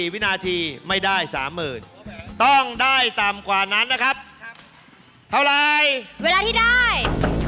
เวลาที่ได้คือ๒นาที๓๔วินาที